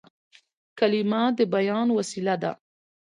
کلیمه د بیان وسیله ده.